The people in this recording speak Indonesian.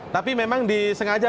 tapi memang disengaja